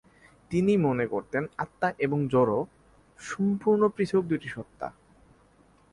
তিনি মনে করতেন, আত্মা এবং জড় সম্পূর্ণ পৃথক দুটি সত্তা।